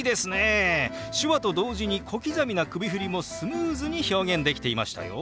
手話と同時に小刻みな首振りもスムーズに表現できていましたよ。